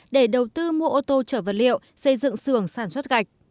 để đầu tư mua ô tô trở vật liệu xây dựng xưởng sản xuất gạch